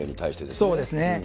そうですね。